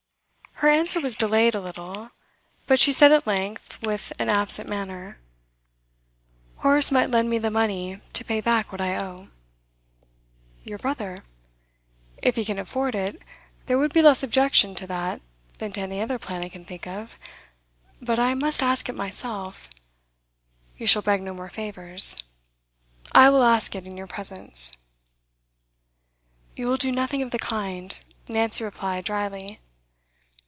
Her answer was delayed a little, but she said at length, with an absent manner: 'Horace might lend me the money to pay back what I owe.' 'Your brother? If he can afford it, there would be less objection to that than to any other plan I can think of. But I must ask it myself; you shall beg no more favours. I will ask it in your presence.' 'You will do nothing of the kind,' Nancy replied drily.